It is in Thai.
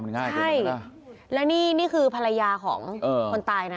ใช่แล้วนี่นี่คือภรรยาของคนตายนะ